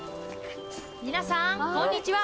皆さんこんにちは